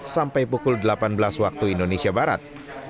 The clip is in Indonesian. sampai pukul delapan belas waktu indonesia barat